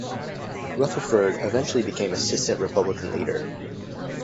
Rutherford eventually became Assistant Republican Leader.